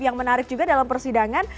yang menarik juga dalam persidangan